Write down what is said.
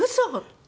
って。